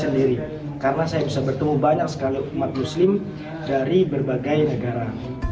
karena saya bisa bertemu banyak sekali umat muslim dari berbagai negara